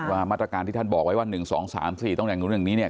ว่ามาตรการที่ท่านบอกไว้ว่า๑๒๓๔ต้องแต่งนู้นอย่างนี้เนี่ย